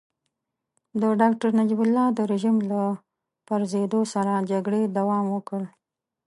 د ډاکټر نجیب الله د رژيم له پرزېدو سره جګړې دوام وکړ.